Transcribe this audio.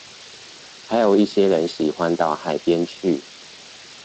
還有一些人喜歡到海邊去